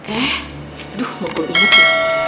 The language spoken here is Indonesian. eh aduh mungkul bibit ya